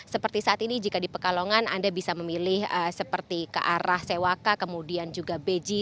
seperti saat ini jika di pekalongan anda bisa memilih seperti ke arah sewaka kemudian juga beji